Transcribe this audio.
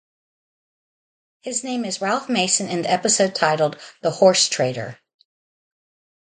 His name is Ralph Mason in the episode titled The Horse Trader.